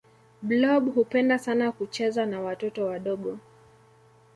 blob hupenda sana kucheza na watoto wadogo